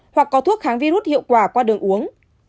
hoặc có thuốc kháng virus hiệu quả qua đường uống